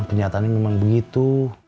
kenyataannya memang begitu